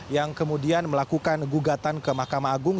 yang kemudian melakukan gugatan ke mahkamah agung